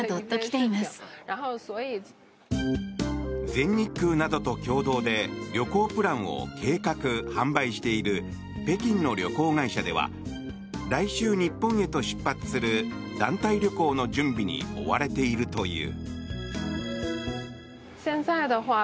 全日空などと共同で旅行プランを計画・販売している北京の旅行会社では来週、日本へと出発する団体旅行の準備に追われているという。